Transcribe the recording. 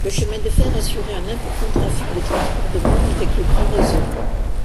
Le chemin de fer assurait un important trafic de transbordement avec le grand réseau.